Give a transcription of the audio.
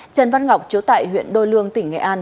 trần văn ngọc chú tại huyện đôi lương tỉnh nghệ an